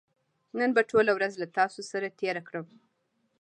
نن به ټوله ورځ له تاسو سره تېره کړم